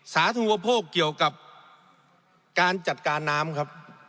สาธุปโภคเกี่ยวกับการจัดการน้ำครับ